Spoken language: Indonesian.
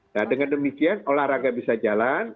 nah dengan demikian olahraga bisa jalan